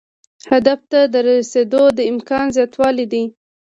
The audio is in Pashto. هدف ته د رسیدو د امکان زیاتوالی دی.